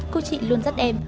cô chị luôn dắt em